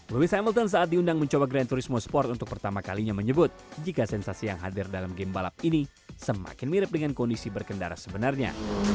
louis hamilton saat diundang mencoba grand tourismo sport untuk pertama kalinya menyebut jika sensasi yang hadir dalam game balap ini semakin mirip dengan kondisi berkendara sebenarnya